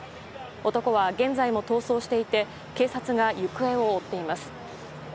男は現在も逃走していて警察が行方を追っています。